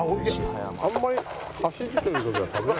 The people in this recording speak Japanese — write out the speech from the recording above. あんまり走ってる時は食べない。